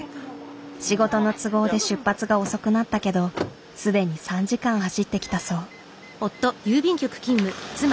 仕事の都合で出発が遅くなったけど既に３時間走ってきたそう。